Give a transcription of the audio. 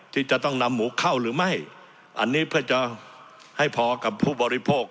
ที่จะต้องนำหมูเข้าหรือไม่อันนี้เพื่อจะให้พอกับผู้บริโภค